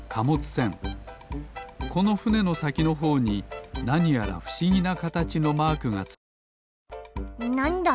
このふねのさきのほうになにやらふしぎなかたちのマークがついていますなんだ？